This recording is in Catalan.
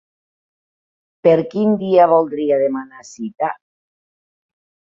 Per quin dia voldria demanar cita?